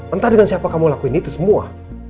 entah dengan siapa kamu lakuin itu semua